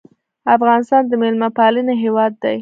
افغانستان د میلمه پالنې هیواد دی